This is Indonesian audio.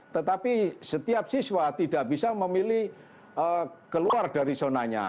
tetapi setiap siswa tidak bisa memilih keluar dari zonanya